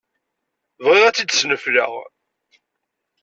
Bɣiɣ ad tt-id-snefleɣ.